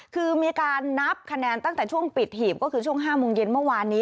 คือมีการนับคะแนนตั้งแต่ช่วงปิดหีบก็คือช่วง๕โมงเย็นเมื่อวานนี้